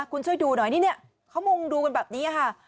คุณช่วยดูหน่อยนี่เขามุงดูกันแบบนี้ค่ะ